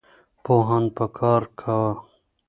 پوهان به کار کاوه.